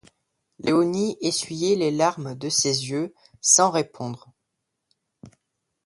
Léonie essuyait les larmes de ses yeux, sans répondre.